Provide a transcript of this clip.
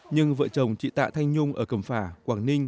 nhưng vợ chồng chị tạ thanh nhung ở cẩm phả quảng ninh